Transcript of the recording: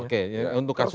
oke untuk kasus